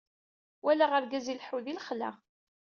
Walaɣ argaz ileḥḥu di lexla.